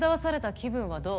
気分はどう？